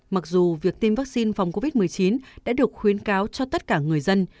mặc dù việc tiêm vaccine phòng covid một mươi chín đã được khuyến cáo cho tất cả người dân